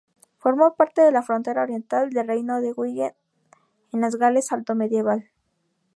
Formó parte de la frontera oriental del Reino de Gwynedd en el Gales altomedieval.